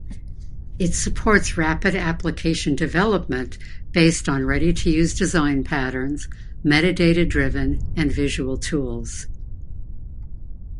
It supports rapid application development based on ready-to-use design patterns, metadata-driven and visual tools.